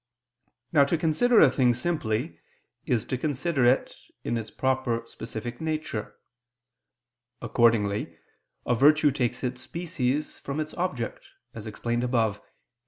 Now to consider a thing simply is to consider it in its proper specific nature. Accordingly, a virtue takes its species from its object, as explained above (Q.